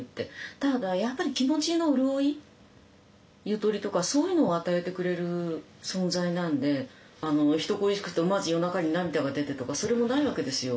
ただやっぱり気持ちの潤いゆとりとかそういうのを与えてくれる存在なんで人恋しくて思わず夜中に涙が出てとかそれもないわけですよ。